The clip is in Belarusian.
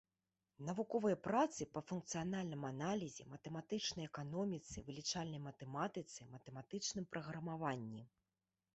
Навуковыя працы па функцыянальным аналізе, матэматычнай эканоміцы, вылічальнай матэматыцы, матэматычным праграмаванні.